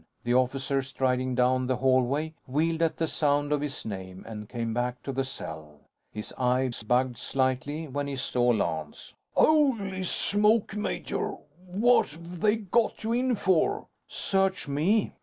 The officer, striding down the hallway, wheeled at the sound of his name and came back to the cell. His eyes bugged slightly, when he saw Lance: "Holy smoke, major! What've they got you in for?" "Search me."